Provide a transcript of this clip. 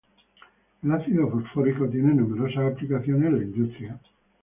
El ácido fosfórico tiene numerosas aplicaciones en la industria.